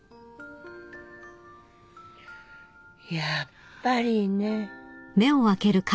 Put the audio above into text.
やっぱりね。